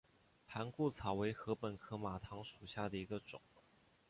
盘固草为禾本科马唐属下的一个种。